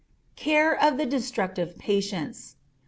_Care of the Destructive Patients.